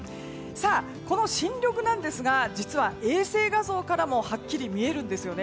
この新緑なんですが実は衛星画像からもはっきり見えるんですよね。